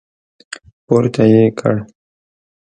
پورته يې کړ.